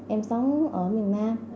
em sống ở miền nam